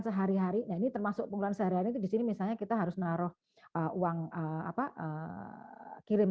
sehari harinya ini termasuk penggunaan sehari hari di sini misalnya kita harus naruh uang apa kirim